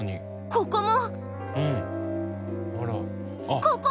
ここも！